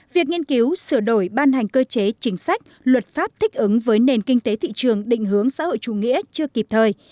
việc nghiên cứu sửa đổi ban hành cơ chế chính sách luật pháp thích ứng với nền kinh tế thị trường định hướng xã hội chủ nghĩa chưa kịp thời